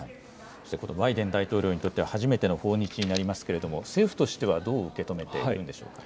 そしてバイデン大統領にとっては初めての訪日になりますけれども、政府としてはどう受け止めているんでしょうか。